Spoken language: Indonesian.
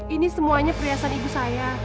ini semuanya perhiasan ibu saya